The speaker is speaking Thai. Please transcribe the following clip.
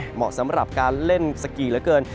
เหมาะสำหรับการเล่นสกีเหลือเกิน